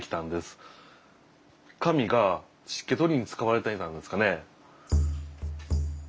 紙が湿気取りに使われていたんですかね。